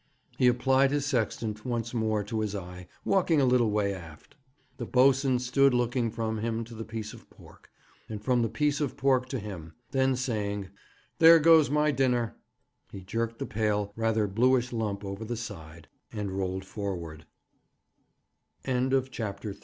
He applied his sextant once more to his eye, walking a little way aft. The boatswain stood looking from him to the piece of pork, and from the piece of pork to him; then saying, 'There goes my dinner,' he jerked the pale, rather bluish lump over the side, and rolled forward. CHAPTER IV. CAPTAIN MARY LIND.